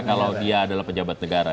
kalau dia adalah pejabat negara